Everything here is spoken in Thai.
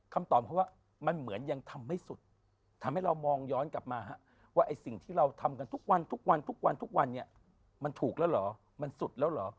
คำตอบเขาว่ามันเหมือนยังทำไม่สุดทำให้เรามองย้อนกลับมาว่าไอ้สิ่งที่เราทำกันทุกวันทุกวันทุกวันทุกวันทุกวันเนี่ยมันถูกแล้วเหรอมันสุดแล้วเหรอ